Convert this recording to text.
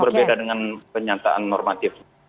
berbeda dengan penyataan normatif